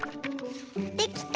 できた！